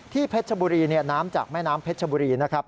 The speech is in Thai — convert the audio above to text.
เพชรชบุรีน้ำจากแม่น้ำเพชรชบุรีนะครับ